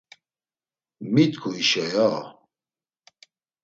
Mi t̆ǩu hişo yau?